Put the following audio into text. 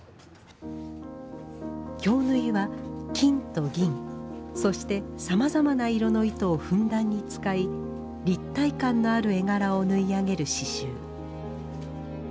京繍は金と銀そしてさまざまな色の糸をふんだんに使い立体感のある絵柄を縫い上げる刺繍。